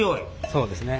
そうですね。